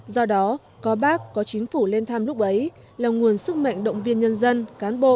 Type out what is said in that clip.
do đó có bác có chính phủ lên thăm lúc ấy là nguồn sức mạnh động viên nhân dân cán bộ